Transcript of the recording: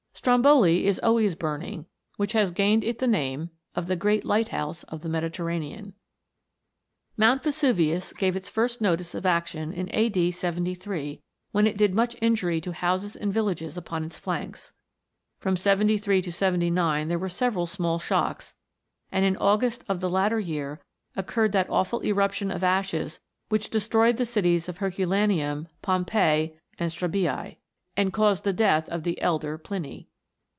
Stromboli is always burning, which has gained it the name of " the great lighthouse of the Medi terranean." PLUTO'S KINGDOM. 291 Mount Vesuvius gave its first notice of action in A.D. 73, when it did much injury to houses and villages upon its flanks. From 73 to 79 there were several small shocks, and in August of the latter year occurred that awful eruption of ashes which de stroyed the cities of Herculaneum, Pompeii, and Strabiae, and caused the death of the elder Pliny.